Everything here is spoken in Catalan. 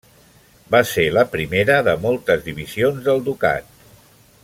Va ser la primera de moltes divisions del ducat.